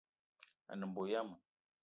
A ne mbo yama